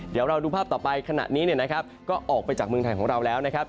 เดี๋ยวเราดูภาพต่อไปขณะนี้เนี่ยนะครับก็ออกไปจากเมืองไทยของเราแล้วนะครับ